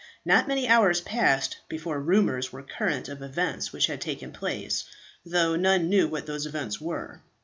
Not many hours passed before rumours were current of events which had taken place, though none knew what those events were.